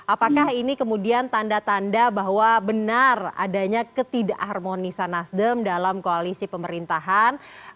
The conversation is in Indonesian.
apakah ini kemudian tanda tanda bahwa benar adanya ketidak harmonisan nasdem dalam koalisi pemerintahan